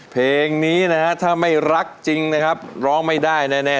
เพลงนี้นะฮะถ้าไม่รักจริงนะครับร้องไม่ได้แน่